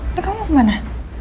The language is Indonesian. udah kamu kemana